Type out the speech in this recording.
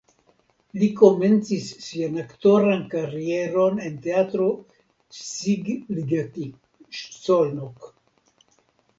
Li komencis sian aktoran karieron en Teatro Szigligeti (Szolnok).